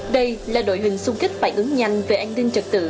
đây là đội hình xung kích phản ứng nhanh về an ninh trật tự